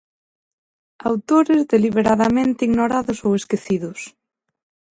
Autores deliberadamente ignorados ou esquecidos.